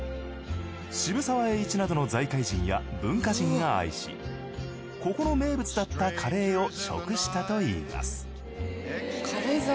渋沢栄一などの財界人や文化人が愛しここの名物だったカレーを食したといいます。